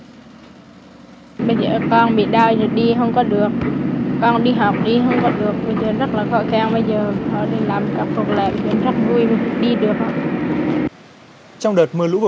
bây giờ con bị đau rồi đi không có được con đi học đi không có được bây giờ rất là khó khăn